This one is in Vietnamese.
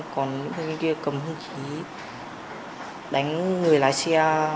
còn anh em kia cầm hung khí đánh người lái xe